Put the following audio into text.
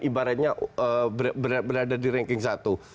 ibaratnya berada di ranking satu